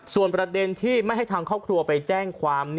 ส่วนประเด็นที่ไม่ให้ทางครอบครัวไปแจ้งความ